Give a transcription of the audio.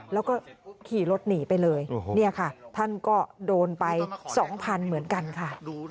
แล้วก็ขี่รถหนีไปเลยเนี่ยค่ะท่านก็โดนไป๒๐๐๐เหมือนกันค่ะ